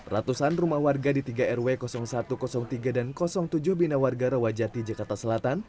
ratusan rumah warga di tiga rw satu ratus tiga dan tujuh bina warga rawajati jakarta selatan